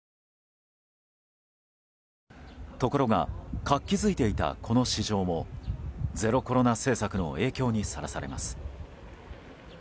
ところが、活気づいていたこの市場もゼロコロナ政策の影響にさらされます。